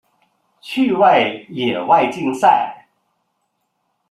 趣味野外竞赛。